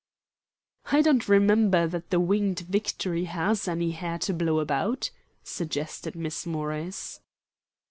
"I don't remember that the 'Winged Victory' has any hair to blow about," suggested Miss Morris.